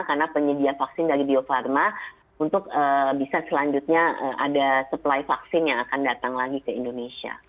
karena penyedia vaksin dari bio farma untuk bisa selanjutnya ada supply vaksin yang akan datang lagi ke indonesia